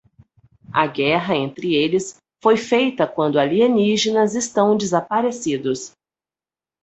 A guerra entre eles foi feita quando alienígenas estão desaparecidos.